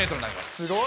すごい。